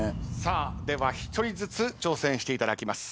では１人ずつ挑戦していだきます。